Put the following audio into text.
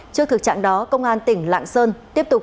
trước thực trạng đó công an tỉnh lạng sơn tiếp tục